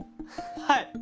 はい！